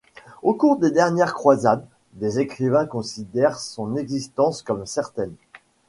Au cours des dernières croisades, des écrivains considèrent son existence comme certaine.